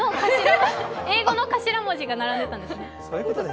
英語の頭文字が並んでたんですね。